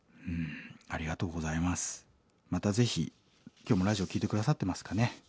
今日もラジオ聴いて下さってますかね。